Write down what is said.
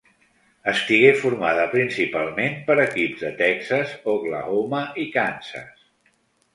Estigué formada principalment per equips de Texas, Oklahoma i Kansas.